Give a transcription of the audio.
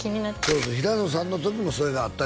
そうそう平野さんの時もそれがあった